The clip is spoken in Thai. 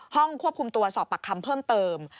ห้องควบคุมตัวสอบปากคำเพิ่มเติม